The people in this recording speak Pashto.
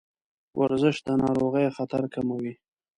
ورزش د ناروغیو خطر کموي.